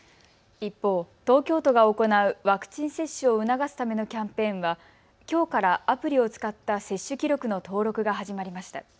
一方、東京都が行うワクチン接種を促すためのキャンペーンはきょうからアプリを使った接種記録の登録が始まりました。